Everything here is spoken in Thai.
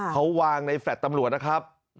เขาวางในแฟลต์ตำรวจนะครับ